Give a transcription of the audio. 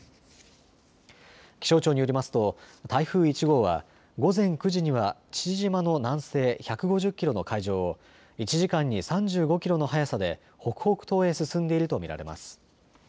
気象庁によりますと台風１号は午前９時には父島の南西１５０キロの海上を１時間に３５キロの速さで北北東へ進んでいると見られます。